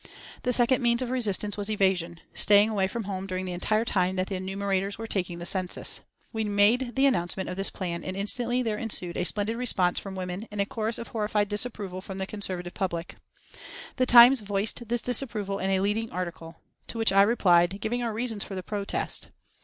The second means of resistance was evasion staying away from home during the entire time that the enumerators were taking the census. We made the announcement of this plan and instantly there ensued a splendid response from women and a chorus of horrified disapproval from the conservative public. The Times voiced this disapproval in a leading article, to which I replied, giving our reasons for the protest.